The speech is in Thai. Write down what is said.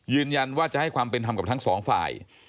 ยืนยันว่าจะให้ความเป็นธรรมกับทั้งสองฝ่าย